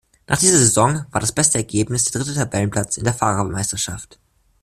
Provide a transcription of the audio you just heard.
Nach dieser Saison war das beste Ergebnis der dritte Tabellenplatz in der Fahrermeisterschaft.